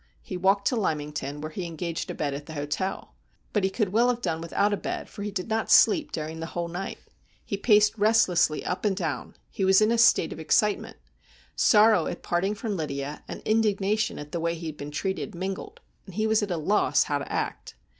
He walked to Lymington, where he engaged a bed at the hotel. But he could well have done without a bed, for he did not sleep during the whole night. He paced restlessly up and down. He was in a state of ex citement. Sorrow at parting from Lydia and indignation at the way he had been treated mingled, and he was at a loss how to act.